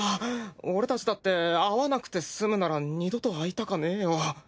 俺たちだって会わなくてすむなら二度と会いたかねえよ。